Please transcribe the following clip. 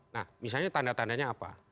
nah misalnya tanda tandanya apa